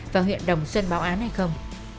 và huyện đồng xuân báo án hay không